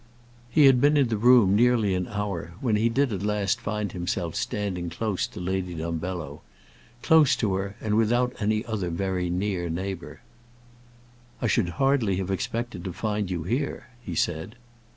He had been in the room nearly an hour when he did at last find himself standing close to Lady Dumbello: close to her, and without any other very near neighbour. "I should hardly have expected to find you here," he said.